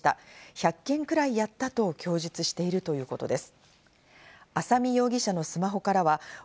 １００件くらいやったと供述しているということです。